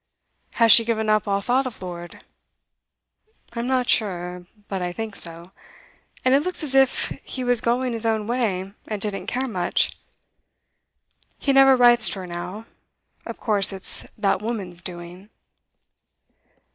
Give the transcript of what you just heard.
'Has she given up all thought of Lord?' 'I'm not sure, but I think so. And it looks as if he was going his own way, and didn't care much. He never writes to her now. Of course it's that woman's doing.